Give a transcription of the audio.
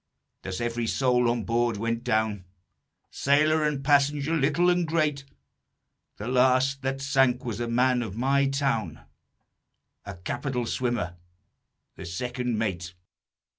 Thus every soul on board went down, Sailor and passenger, little and great; The last that sank was a man of my town, A capital swimmer, the second mate."